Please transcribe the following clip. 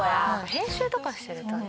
編集とかしてるとね。